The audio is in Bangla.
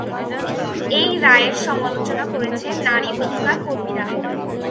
এই রায়ের সমালোচনা করেছেন নারী অধিকার কর্মীরা।